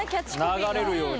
流れるように。